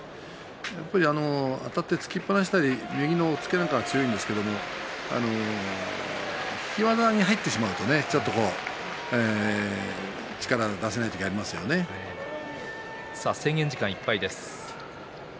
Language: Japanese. やっぱりあたって突き放したり右の押っつけ強いんですけれど引き技に入ってしまうとちょっと制限時間いっぱいです。